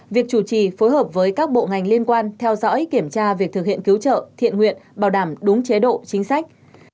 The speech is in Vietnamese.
việc chủ trì phối hợp với các bộ ngành liên quan theo dõi kiểm tra việc thực hiện cứu trợ thiện nguyện bảo đảm đúng chế độ chính sách